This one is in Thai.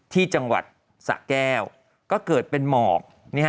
ที่จังหวัดสะแก้วก็เกิดเป็นหมอก